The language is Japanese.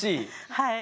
はい。